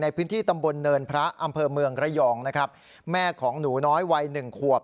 ในพื้นที่ตำบลเนินพระอำเภอเมืองระยองนะครับแม่ของหนูน้อยวัยหนึ่งขวบ